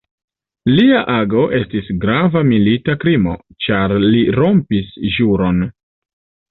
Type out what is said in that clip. Lia ago estis grava milita krimo, ĉar li rompis ĵuron.